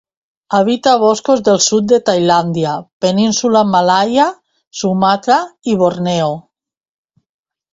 Habita boscos del sud de Tailàndia, Península Malaia, Sumatra i Borneo.